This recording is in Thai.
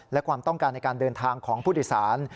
และความต้องการในการเดินทางของผู้โดยสาร